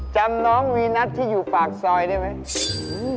จำน้องวีนัทที่อยู่ปากซอยได้ไหม